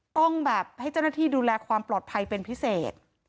ต้องแบบให้เจ้าหน้าที่ดูแลความปลอดภัยเป็นพิเศษ